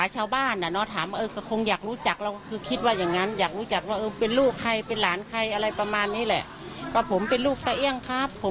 พ่อนายสุดท้ายอยากเริ่มรู้จักครับทุกคนที่ไม่รู้จักของเจ้าของใบ่ดาวหรือถ้าเกิดขึ้น